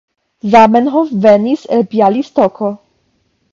Zamenhof venis el Bjalistoko.